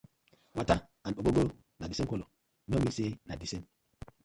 Water and ogogoro na the same colour, no mean say na the same: